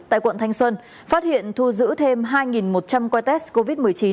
tại quận thanh xuân phát hiện thu giữ thêm hai một trăm linh que test covid một mươi chín